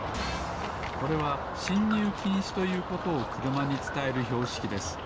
これは「しんにゅうきんし」ということをくるまにつたえるひょうしきです。